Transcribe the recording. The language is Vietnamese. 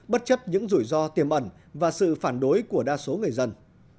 bất chấp những rủi ro tiềm ẩn và sự phản đối của đa số người dân